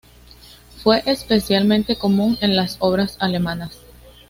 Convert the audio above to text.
Fue especialmente común en las obras alemanas.